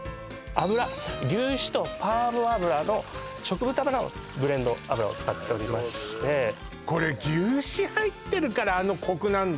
油牛脂とパーム油の植物油のブレンド油を使っておりましてこれ牛脂入ってるからあのコクなんだ